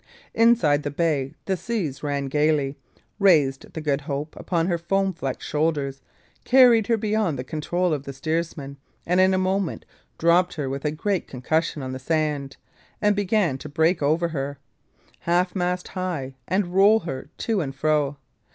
Inside the bay the seas ran gayly, raised the Good Hope upon their foam flecked shoulders, carried her beyond the control of the steersman, and in a moment dropped her, with a great concussion, on the sand, and began to break over her half mast high, and roll her to and fro.